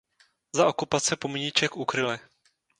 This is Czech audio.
Za okupace pomníček ukryli.